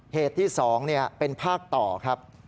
เหตุที่๒เป็นภาคต่อครับ